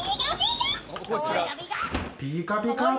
ピカピカ！